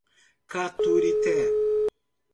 Caturité